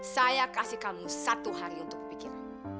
saya kasih kamu satu hari untuk pemikiran